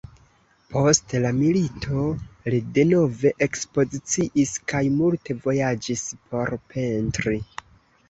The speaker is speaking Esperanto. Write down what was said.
Post la milito le denove ekspoziciis kaj multe vojaĝis por pentri.